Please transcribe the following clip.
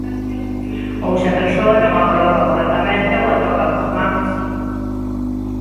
Ou se a persoa non a coloca correctamente ou a toca coas mans.